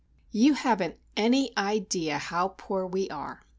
You haven't any idea how poor we are.